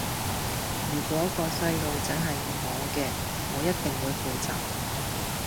如果個細路仔係我嘅，我一定會負責